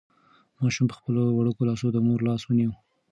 ماشوم په خپلو وړوکو لاسو د مور لاس ونیو.